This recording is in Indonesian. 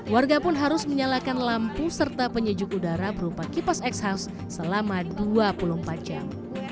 warga pun harus menyalakan lampu serta penyejuk udara berupa kipas x house selama dua puluh empat jam